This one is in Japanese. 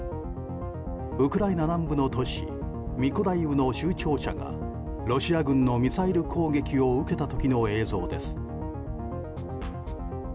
ウクライナ南部の都市ミコライウの州庁舎がロシア軍のミサイル攻撃を受けた時の映像です。